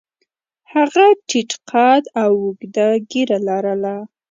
هغه ټیټ قد او اوږده ږیره لرله.